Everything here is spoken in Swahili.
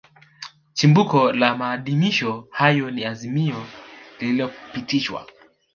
Chimbuko la maadhimisho hayo ni Azimio lililopitishwa